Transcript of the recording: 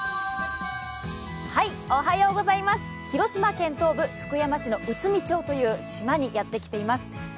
広島県東部、福山市の内海町という島に来ています。